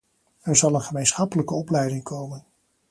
Er zal een gemeenschappelijke opleiding komen.